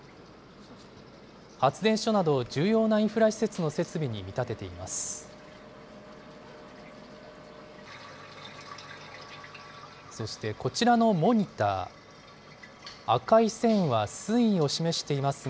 発電所など、重要なインフラ施設の設備に見立てています。